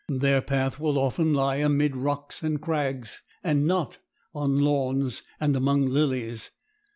Their path will often lie amid rocks and crags, and not on lawns and among lilies.